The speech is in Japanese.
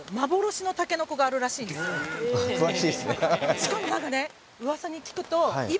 しかも何かね。